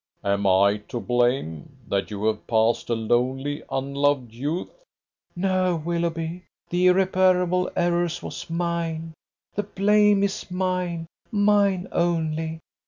Am I to blame, that you have passed a lonely, unloved youth?" "No, Willoughby! The irreparable error was mine, the blame is mine, mine only.